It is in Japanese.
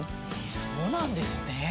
そうなんですね。